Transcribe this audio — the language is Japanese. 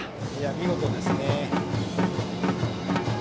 見事ですね。